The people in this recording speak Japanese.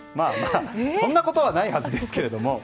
そんなことはないはずですけど。